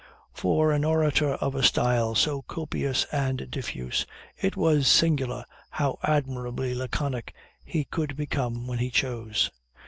For an orator of a style so copious and diffuse, it was singular how admirably laconic he could become when he chose.